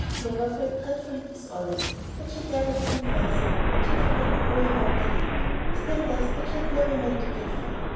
Clover felt dreadfully dishonest; but she dared not confess that she had forgotten all about the hint, still less that she had never meant to give one.